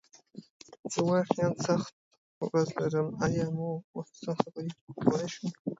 زه واقعیا سخته ورځ لرم، ایا موږ یو څه خبرې کولی شو؟